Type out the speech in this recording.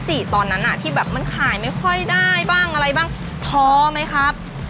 จิตตอนนั้นที่มันขายไม่ค่อยได้บ้างอะไรบ้างพอไหมครับ